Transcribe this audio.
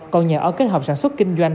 còn nhà ở kết hợp sản xuất kinh doanh